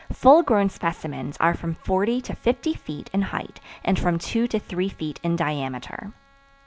Full grown specimens are from forty to fifty feet in height and from two to three feet in diameter.